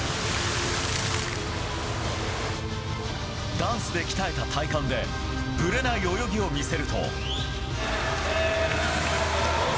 ダンスで鍛えた体幹でブレない泳ぎを見せると。